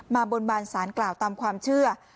บนบานสารกล่าวตามความเชื่อ